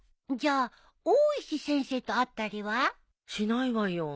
じゃあ大石先生と会ったりは？しないわよ。